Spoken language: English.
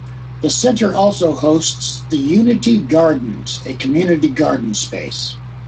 The center also hosts the Unity Gardens, a community garden space.